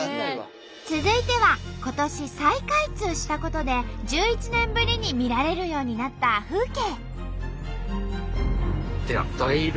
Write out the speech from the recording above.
続いては今年再開通したことで１１年ぶりに見られるようになった風景。